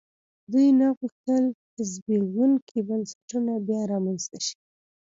دوی نه غوښتل زبېښونکي بنسټونه بیا رامنځته شي.